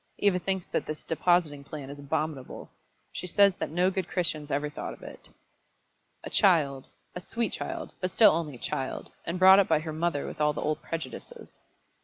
Eva thinks that this depositing plan is abominable. She says that no good Christians ever thought of it." "A child a sweet child but still only a child; and brought up by her mother with all the old prejudices."